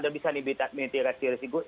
dan bisa diterapkan